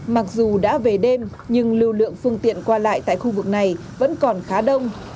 mặc dù đã về đêm nhưng lưu lượng phương tiện qua lại tại khu vực này vẫn còn khá đông